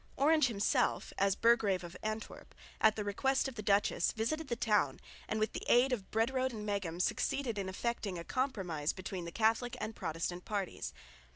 Orange himself, as burgrave of Antwerp, at the request of the duchess visited the town and with the aid of Brederode and Meghem succeeded in effecting a compromise between the Catholic and Protestant parties.